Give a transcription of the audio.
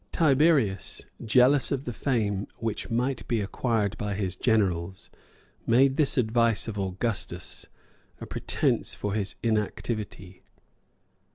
Tiberius, jealous of the fame which might be acquired by his generals, made this advice of Augustus a pretence for his inactivity.